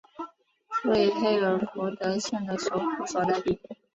为黑尔福德县的首府所在地。